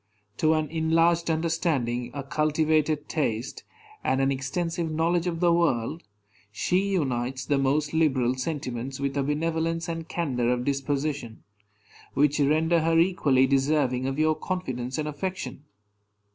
To an enlarged understanding, a cultivated taste, and an extensive knowledge of the world, she unites the most liberal sentiments with a benevolence and candor of disposition, which render her equally deserving of your confidence and affection.